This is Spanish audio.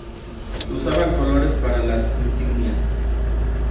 Se usaban colores para las insignias.